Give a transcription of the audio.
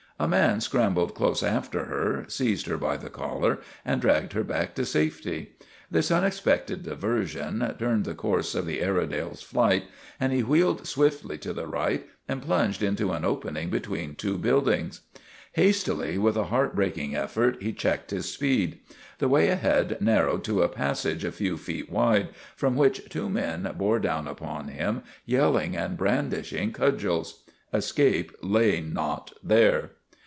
A man scrambled close after her, seized her by the collar, and dragged her back to safety. This unexpected diversion turned the course of the Airedale's flight and he wheeled swiftly to the right and plunged into an opening between two buildings. Hastily, with a heart breaking effort, he checked his speed. The way ahead narrowed to a passage a few feet wide, from which two men bore down upon him, yelling and brandishing cudgels. Escape lay not there.